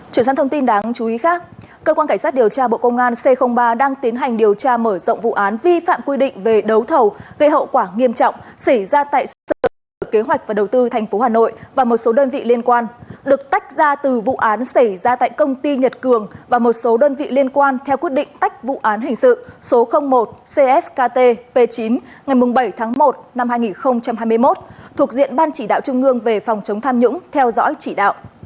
chuyển sang thông tin đáng chú ý khác cơ quan cảnh sát điều tra bộ công an c ba đang tiến hành điều tra mở rộng vụ án vi phạm quy định về đấu thầu gây hậu quả nghiêm trọng xảy ra tại sở hữu kế hoạch và đầu tư tp hà nội và một số đơn vị liên quan được tách ra từ vụ án xảy ra tại công ty nhật cường và một số đơn vị liên quan theo quyết định tách vụ án hình sự số một cskt p chín ngày bảy tháng một năm hai nghìn hai mươi một thuộc diện ban chỉ đạo trung ương về phòng chống tham nhũng theo dõi chỉ đạo